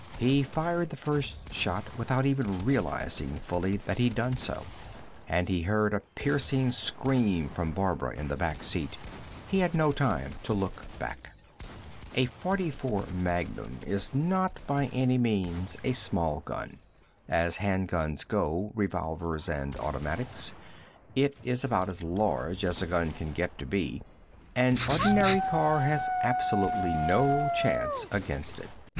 He fired the first shot without even realizing fully that he'd done so, and he heard a piercing scream from Barbara in the back seat. He had no time to look back. A .44 Magnum is not, by any means, a small gun. As hand guns go revolvers and automatics it is about as large as a gun can get to be. An ordinary car has absolutely no chance against it.